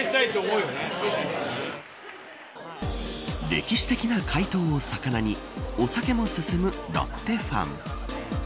歴史的な快投を肴にお酒も進むロッテファン。